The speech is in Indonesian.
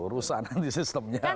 rusahan di sistemnya